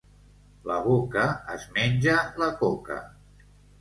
La boca es menja la coca.